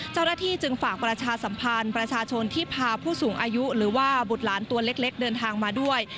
เจ้าหน้าที่จึงฝากประชาสัมพันธ์ประชาชนที่พาผู้สูงอายุหรือว่าบุตรหลานตัวเล็กเดินทางมาด้วย